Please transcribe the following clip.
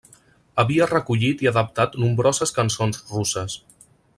Havia recollit i adaptat nombroses cançons russes.